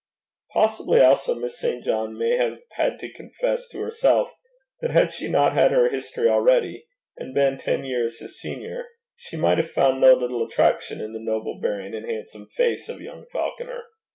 Possibly also Miss St. John may have had to confess to herself that had she not had her history already, and been ten years his senior, she might have found no little attraction in the noble bearing and handsome face of young Falconer.